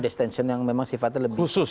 destension yang memang sifatnya lebih